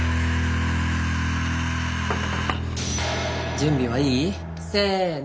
準備はいい？せの！